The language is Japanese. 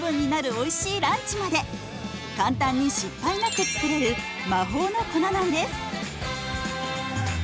おいしいランチまで簡単に失敗なく作れる魔法の粉なんです。